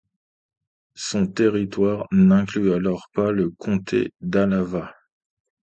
Son territoire n'inclut alors pas le comté d'Álava.